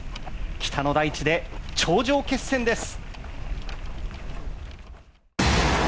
北の大地で頂上決戦です。